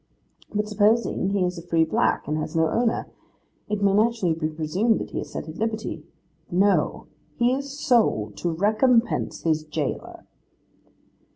But supposing he is a free black, and has no owner, it may naturally be presumed that he is set at liberty. No: HE IS SOLD TO RECOMPENSE HIS JAILER.